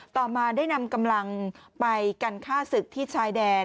ต่อมาได้นำกำลังไปกันฆ่าศึกที่ชายแดน